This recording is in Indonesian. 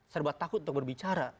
serba takut untuk berbicara